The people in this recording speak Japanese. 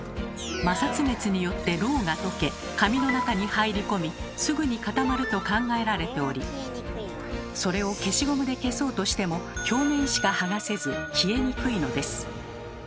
摩擦熱によってロウがとけ紙の中に入り込みすぐに固まると考えられておりそれを消しゴムで消そうとしても表面しかはがせず消えにくいのです。